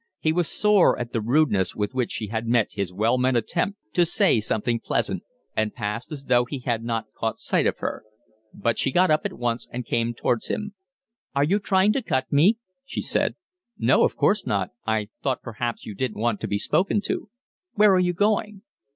He was sore at the rudeness with which she had met his well meant attempt to say something pleasant, and passed as though he had not caught sight of her. But she got up at once and came towards him. "Are you trying to cut me?" she said. "No, of course not. I thought perhaps you didn't want to be spoken to." "Where are you going?"